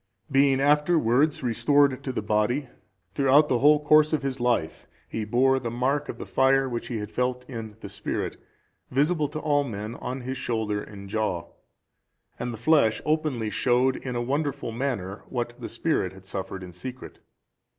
Being afterwards restored to the body, throughout the whole course of his life he bore the mark of the fire which he had felt in the spirit, visible to all men on his shoulder and jaw; and the flesh openly showed, in a wonderful manner, what the spirit had suffered in secret.